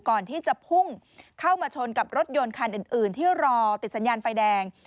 ก่อนที่จะพุ่งเข้ามาชนกับรถยนต์คันอื่นที่รอติดสัญญาณไฟแดง